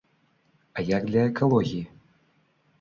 А як для экалогіі?